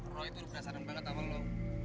roy itu udah berdasarkan banget awal lo